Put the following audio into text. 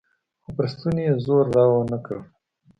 خو پر ستوني يې زور راونه کړ.